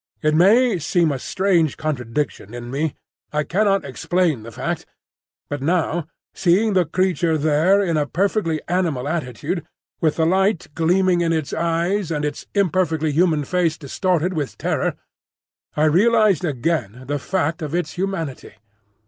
It may seem a strange contradiction in me,—I cannot explain the fact,—but now, seeing the creature there in a perfectly animal attitude, with the light gleaming in its eyes and its imperfectly human face distorted with terror, I realised again the fact of its humanity.